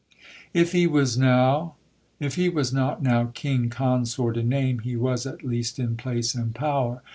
If he was not now King Consort in name, he was, at least, in place and power.